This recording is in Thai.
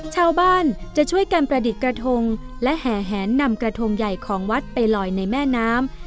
ชาวบ้านจะช่วยกันประดิษฐ์กระทงและแห่แหนนำกระทงใหญ่ของวัดไปลอยในแม่น้ำ